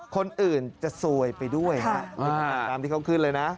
คนอื่นจะซวยไปด้วยฮะตามที่เขาขึ้นเลยนะ